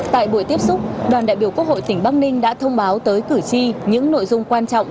tại buổi tiếp xúc đoàn đại biểu quốc hội tỉnh bắc ninh đã thông báo tới cử tri những nội dung quan trọng